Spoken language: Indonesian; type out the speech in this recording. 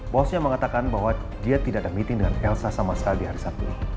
bosnya mengatakan bahwa dia tidak ada meeting dengan elsa sama sekali hari sabtu